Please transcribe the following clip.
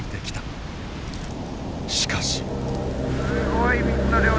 しかし。